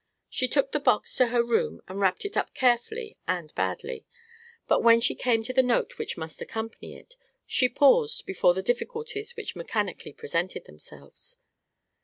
She took the box to her room and wrapped it up carefully and badly; but when she came to the note which must accompany it, she paused before the difficulties which mechanically presented themselves.